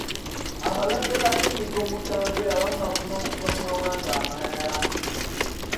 Abalwadde ba ssennyiga omukambwe abamu bakomawo okuva mu mawanga amalala.